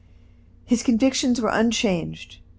His convictions were unchanged.